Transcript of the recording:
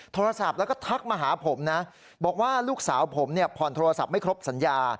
โทรศัพท์แล้วก็ทักมาหาผมนะบอกว่าลูกสาวผมเนี่ยผ่อนโทรศัพท์ไม่ครบสัญญา